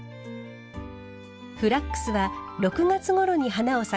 フラックスは６月ごろに花を咲かせます。